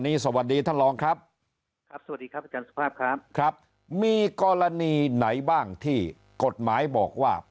นี้สวัสดีท่านลองครับครับมีกรณีไหนบ้างที่กฎหมายบอกว่า